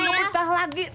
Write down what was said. bukan nukitah lagi